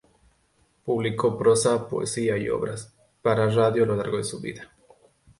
Publicó prosa, poesía y obras para radio a lo largo de su vida.